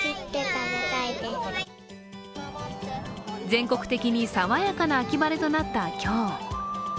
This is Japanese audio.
全国的にさわやかな秋晴れとなった今日。